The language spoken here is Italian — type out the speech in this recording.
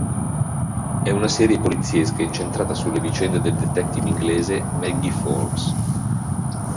È una serie poliziesca incentrata sulle vicende della detective inglese Maggie Forbes.